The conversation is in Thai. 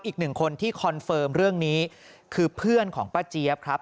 อีกหนึ่งคนที่คอนเฟิร์มเรื่องนี้คือเพื่อนของป้าเจี๊ยบครับ